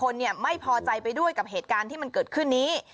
ไม่พอใจไปด้วยกับเหตุการณ์ที่มันเกิดขึ้นนี้